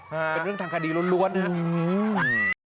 เป็นเรื่องทางคดีล้วนนะครับ